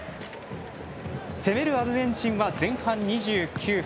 攻めるアルゼンチンは前半２９分。